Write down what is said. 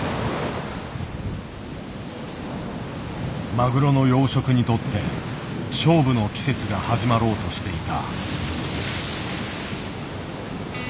マグロの養殖にとって勝負の季節が始まろうとしていた。